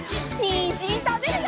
にんじんたべるよ！